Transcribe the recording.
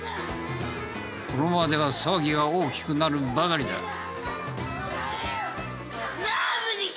このままでは騒ぎが大きくなるばかりだ。